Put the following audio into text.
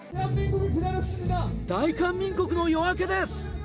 大韓民国の夜明けです。